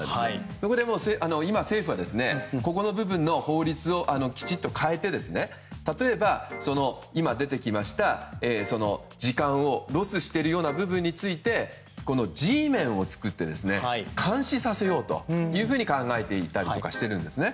そこで、政府はここの部分の法律をきちっと変えて例えば今出てきました時間をロスしているような部分について、Ｇメンを作って監視させようと考えていたりとかしているんですね。